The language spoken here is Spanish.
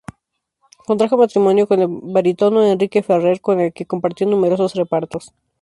Contrajo matrimonio con el barítono Enrique Ferrer, con el que compartió numerosos repartos.